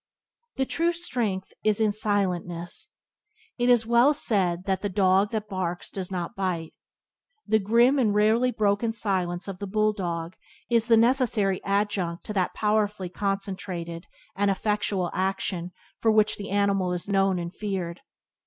The true strength is in silentness. It is well said that "The dog that barks does not bite." The grim and rarely broken silence of the bull dog is the necessary adjunct to that powerfully concentrated and effectual action for which the animal is known and feared.